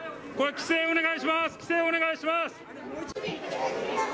規制お願いします。